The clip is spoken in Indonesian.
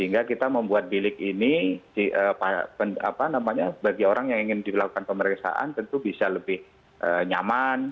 jadi kita membuat bilik ini bagi orang yang ingin dilakukan pemeriksaan tentu bisa lebih nyaman